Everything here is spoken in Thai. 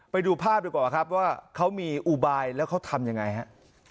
ไปดูภาพดีกว่าครับว่าเขามีอุบายแล้วเขาทำยังไงฮะ